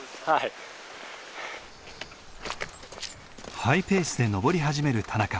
ハイペースで登り始める田中。